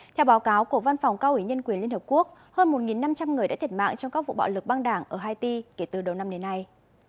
theo báo cáo của văn phòng cao ủy nhân quyền liên hợp quốc hơn một năm trăm linh người đã thiệt mạng trong các vụ bạo lực băng đảng ở haiti kể từ đầu năm đến nay